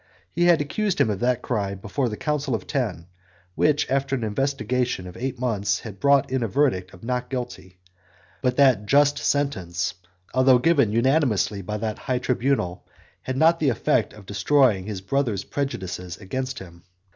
He had accused him of that crime before the Council of Ten, which, after an investigation of eight months, had brought in a verdict of not guilty: but that just sentence, although given unanimously by that high tribunal, had not had the effect of destroying his brother's prejudices against him.